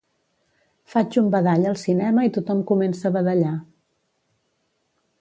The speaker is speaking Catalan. Faig un badall al cinema i tothom comença a badallar